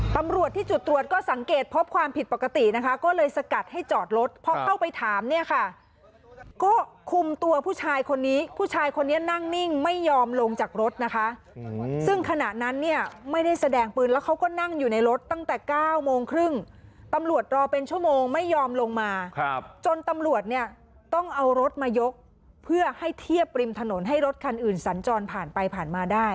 ตำรวจที่จุดตรวจก็สังเกตพบความผิดปกตินะคะก็เลยสกัดให้จอดรถพอเข้าไปถามเนี่ยค่ะก็คุมตัวผู้ชายคนนี้ผู้ชายคนนี้นั่งนิ่งไม่ยอมลงจากรถนะคะซึ่งขณะนั้นเนี่ยไม่ได้แสดงปืนแล้วเขาก็นั่งอยู่ในรถตั้งแต่๙โมงครึ่งตำรวจรอเป็นชั่วโมงไม่ยอมลงมาจนตำรวจเนี่ยต้องเอารถมายกเพื่อให้เทียบริมถนนให้รถคันอื่นสัญจรผ่านไปผ่านมาได้